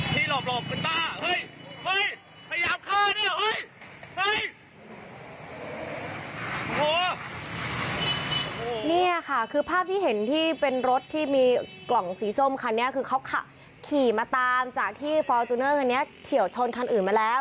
นี่ค่ะคือภาพที่เห็นที่เป็นรถที่มีกล่องสีส้มคันนี้คือเขาขี่มาตามจากที่ฟอร์จูเนอร์คันนี้เฉียวชนคันอื่นมาแล้ว